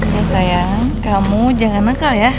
iya sayang kamu jangan nengkal ya